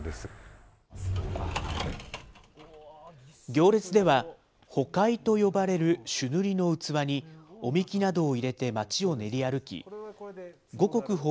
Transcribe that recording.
行列では、行器と呼ばれる朱塗りの器にお神酒などを入れてまちを練り歩き、五穀豊